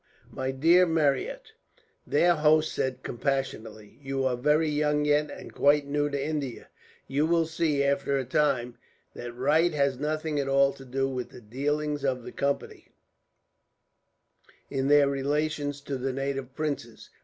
"My dear Marryat," their host said compassionately, "you are very young yet, and quite new to India. You will see, after a time, that right has nothing at all to do with the dealings of the Company, in their relations to the native princes.